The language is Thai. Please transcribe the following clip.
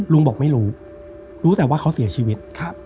ลุงบอกไม่รู้รู้รู้แต่ว่าเขาเสียชีวิต